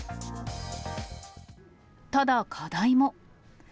ただ課題も。